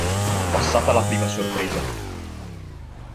Passata la prima sorpresa.